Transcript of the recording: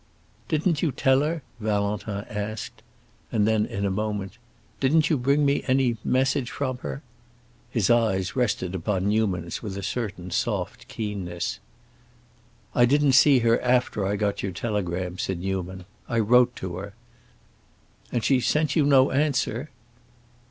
"Didn't you tell her?" Valentin asked. And then, in a moment, "Didn't you bring me any message from her?" His eyes rested upon Newman's with a certain soft keenness. "I didn't see her after I got your telegram," said Newman. "I wrote to her." "And she sent you no answer?"